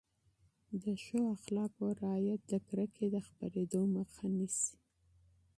د ښو اخلاقو رعایت د کینې د خپرېدو مخه نیسي.